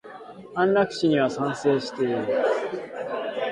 安楽死には賛成している。